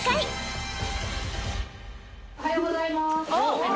おはようございます